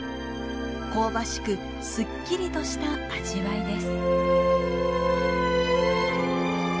香ばしくすっきりとした味わいです。